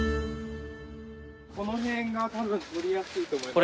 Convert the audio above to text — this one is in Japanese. この辺がたぶん採りやすいと思います。